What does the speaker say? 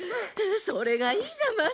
それがいいざます。